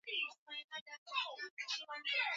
Atuta weza ku ishi kwashipo ku rima